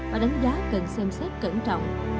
và đánh giá cần xem xét cẩn trọng